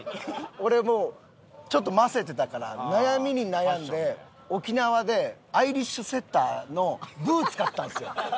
俺もちょっとませてたから悩みに悩んで沖縄でアイリッシュセッターのブーツ買ったんですよ。